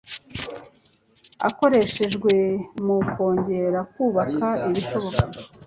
akoreshejwe mu kongera kubaka ibishoboka